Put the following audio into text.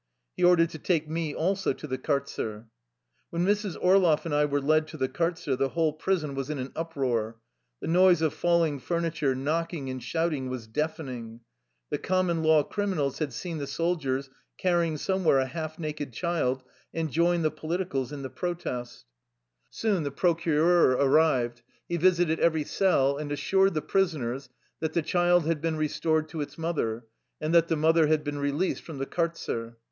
He ordered to take me also to the kartzer. When Mrs. Orloff and I were led to the kart zer the whole prison was in an uproar. The noise of falling furniture, knocking, and shout ing was deafening. The common law criminals had seen the soldiers carrying somewhere a half naked child and joined the politicals in the protest. 75 THE LIFE STORY OF A. EUSSIAN EXILE Soon tbe procureur arrived. He visited every cell and assured the prisoners that the child had been restored to its mother, and that the mother had been released from the kartzer.